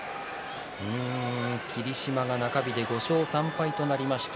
霧島が中日で５勝３敗となりました。